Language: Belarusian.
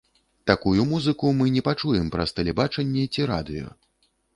Такую музыку мы не пачуем праз тэлебачанне ці радыё.